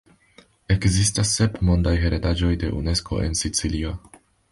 Ekzistas sep mondaj heredaĵoj de Unesko en Sicilio.